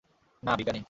না, বিজ্ঞানী।